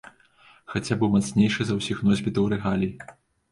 Хаця быў мацнейшы за ўсіх носьбітаў рэгалій.